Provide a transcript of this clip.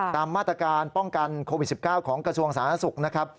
ตามมาตรการป้องกันโควิด๑๙ของกระทรวงสาธารณสุขนะครับ